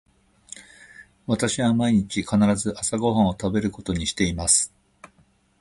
私は毎日必ず朝ご飯を食べることにしています。